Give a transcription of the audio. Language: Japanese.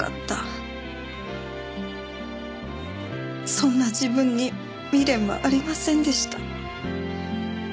そんな自分に未練はありませんでした。